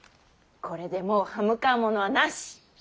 これでもう刃向かう者はなし！